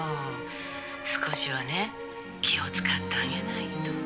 「少しはね気を使ってあげないと」